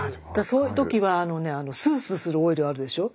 そういうときはあのねスースーするオイルあるでしょ？